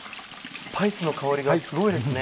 スパイスの香りがすごいですね。